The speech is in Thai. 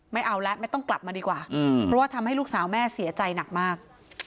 ไม่เอาแล้วไม่ต้องกลับมาดีกว่าเพราะว่าทำให้ลูกสาวแม่เสียใจหนักมาก